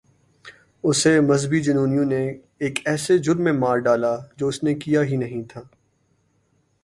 اسے مذہبی جنونیوں نے ایک ایسے جرم میں مار ڈالا جو اس نے کیا ہی نہیں تھا۔